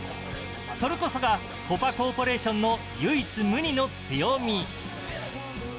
それこそがコパ・コーポレーションの唯一無二の強み。